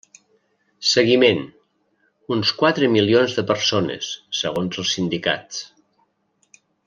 Seguiment: uns quatre milions de persones, segons els sindicats.